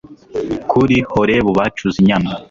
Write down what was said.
kuri horebu bacuze inyana